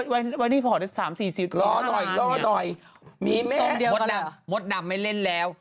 ไว้หวัดไม่แผ่น๓๔๔๕ราวรังอย่างเงี้ยฟะมึดดำมัดดำไม่เล่นแล้ว